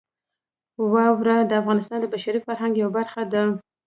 واوره د افغانستان د بشري فرهنګ یوه برخه ده.